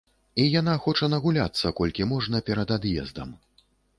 І яна хоча нагуляцца, колькі можна, перад ад'ездам.